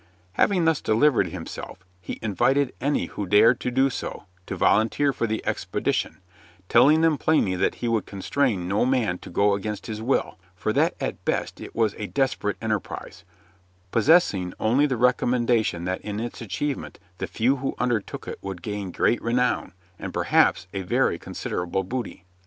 Having thus delivered himself, he invited any who dared to do so to volunteer for the expedition, telling them plainly that he would constrain no man to go against his will, for that at best it was a desperate enterprise, possessing only the recommendation that in its achievement the few who undertook it would gain great renown, and perhaps a very considerable booty.